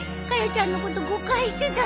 ちゃんのこと誤解してたんだ。